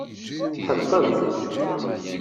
Tḥedqem?